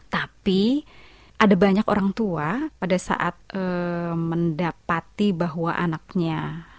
tapi ada banyak orang tua pada saat mendapati bahwa anaknya